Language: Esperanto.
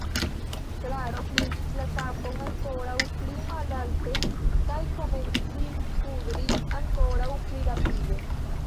Klaro klinis la kapon ankoraŭ pli malalte kaj komencis kudri ankoraŭ pli rapide.